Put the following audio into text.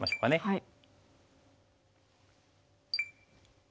はい。